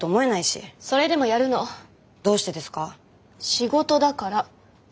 仕事だから。